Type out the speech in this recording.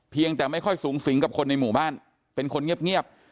แต่ไม่ค่อยสูงสิงกับคนในหมู่บ้านเป็นคนเงียบ